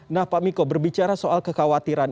nah pak miko berbicara soal kekhawatiran